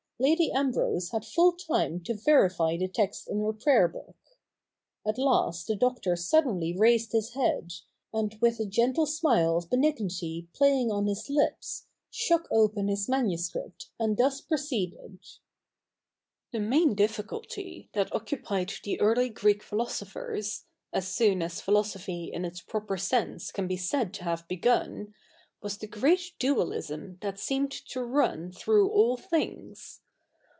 Lady Ambrose had full time to verify the text in her prayer book. At last the Doctor suddenly raised his head, and with a gentle smile of benignity playing on his lips, shook open his manuscript, and thus proceeded :—' The main difficulty that occupied the early Greek Philo sophers^ as soon as philosophy in its proper sense can be said to have begiai., was the great dualism that seemed to run through all things.